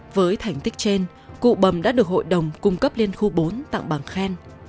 với thành tích trên cụ bầm đã được hội đồng cung cấp liên khu bốn tặng bằng khen